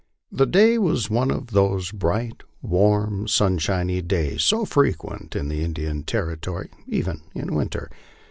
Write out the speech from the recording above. The day was one of those bright, warm, sunshiny days so frequent in the Indian Territory, even in winter.